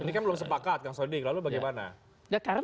ini kan belum sepakat kang sodik lalu bagaimana